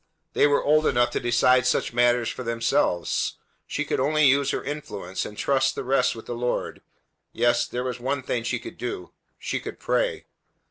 They were old enough to decide such matters for themselves. She could only use her influence, and trust the rest with the Lord. Yes, there was one thing she could do. She could pray!